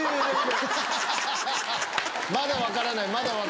まだ分からない。